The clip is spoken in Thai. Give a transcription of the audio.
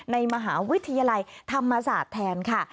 ในมหาวิทยาลัยธรรมศาสตร์แทนค่ะ